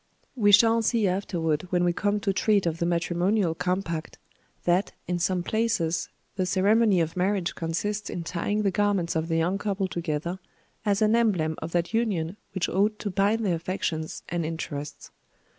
We shall see afterward when we come to treat of the matrimonial compact, that, in some places, the ceremony of marriage consists in tying the garments of the young couple together, as an emblem of that union which ought to bind their affections and interests.